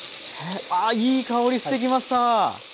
あいい香りしてきました。